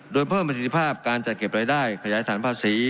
โดยเพิ่มประสิทธิภาพการจัดเก็บรายได้ขยายฐานภาษี